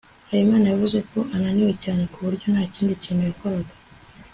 habimana yavuze ko ananiwe cyane ku buryo nta kindi kintu yakoraga